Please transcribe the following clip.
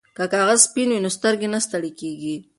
که کاغذ سپین وي نو سترګې نه ستړې کیږي.